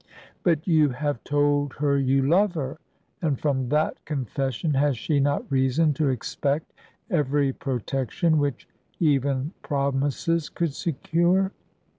"But you have told her you love her; and, from that confession, has she not reason to expect every protection which even promises could secure?"